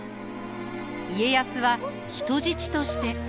家康は人質として。